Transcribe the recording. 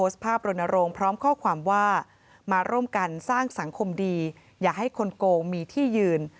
สังคมดีอย่าให้คนโกงมีที่ยืน